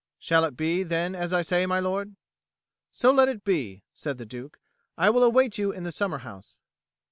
"Shall it be, then, as I say, my lord?" "So let it be," said the Duke. "I will await you in the summer house."